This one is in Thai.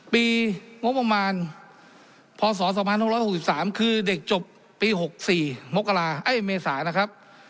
ปีงบประมาณพศ๒๕๖๓คือเด็กจบปี๖๔เมษานะครับ